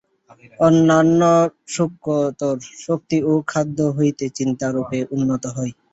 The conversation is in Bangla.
অন্যান্য সূক্ষ্মতর শক্তিও খাদ্য হইতেই চিন্তারূপে উৎপন্ন হয়।